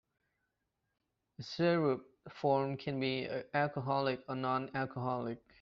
The syrup form can be alcoholic or nonalcoholic.